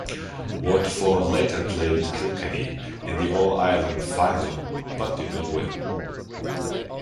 Waterford later played Kilkenny in the All-Ireland final but did not win.